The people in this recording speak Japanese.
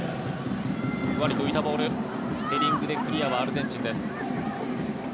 ふわりと浮いたボールヘディングでクリアはアルゼンチンです。